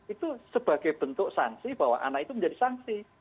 itu sebagai bentuk sanksi bahwa anak itu menjadi sanksi